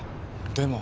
でも。